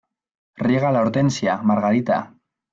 Riega la hortensia, Margarita.